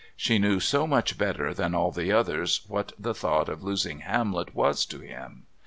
She knew so much better than all the others what the thought of losing Hamlet was to him.